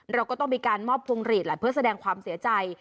เราก็ต้องมีการมอบภวงฤทธิ์เพื่อแสดงความเสียใจ